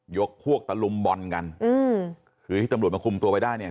ยกพวกตะลุมบอลกันอืมคือที่ตำรวจมาคุมตัวไปได้เนี่ย